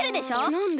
なんで？